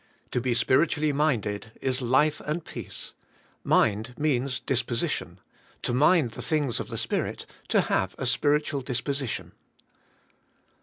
To be spiritually minded is life and peace. Mind means disposition; to mind the thing's of the Spirit, to have a spiritual disposition.